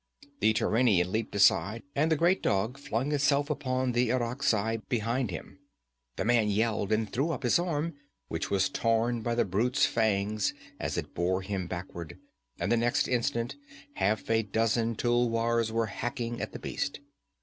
The Turanian leaped aside, and the great dog flung itself upon the Irakzai behind him. The man yelled and threw up his arm, which was torn by the brute's fangs as it bore him backward, and the next instant half a dozen tulwars were hacking at the beast.